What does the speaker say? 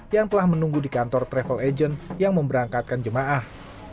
yang telah menunggu di kantor travel agent yang memberangkatkan jemaah